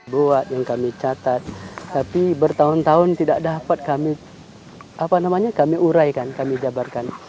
buat yang kami catat tapi bertahun tahun tidak dapat kami uraikan kami jabarkan